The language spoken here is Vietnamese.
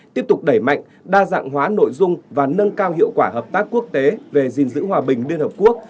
tiếp tục đẩy mạnh đa dạng hóa nội dung và nâng cao hiệu quả hợp tác quốc tế về gìn giữ hòa bình liên hợp quốc